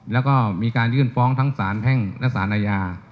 แล้วก็มีการยื่นฟ้องทั้งสารแพ่งและสารอาญา